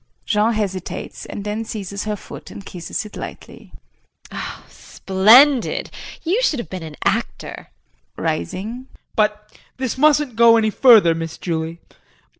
[Jean hesitates and then seizes her foot and kisses it lightly.] JULIE. Splendid! You should have been an actor. JEAN [Rising]. But this mustn't go any further, Miss Julie.